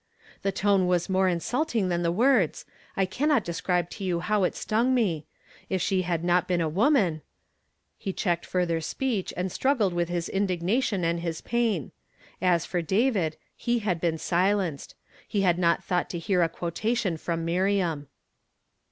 Ihe tone was more insult ing than the words. I cannot describe to you how it stung me. If she had not been a woman "'— He clu'cked further speech, a' . stiuggled w ih his indignation and his j)ain. As for David, h" had been silenced; he had not tiiought to heai' a quotation from .Miriam.